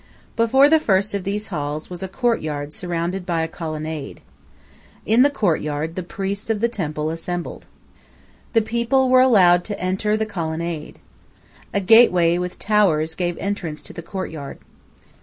Before the first of these halls was a courtyard surrounded by a colonnade. In the courtyard the priests of the temple assembled. The people were allowed to enter the colonnade. A gateway with towers gave entrance to the courtyard.